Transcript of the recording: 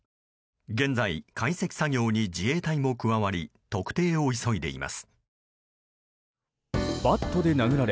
現在、解析作業に自衛隊も加わり特定を急いでいます。